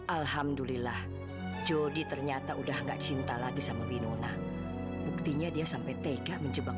alhamdulillah jodi ternyata udah nggak cinta lagi sama minona buktinya dia sampai tega menjebak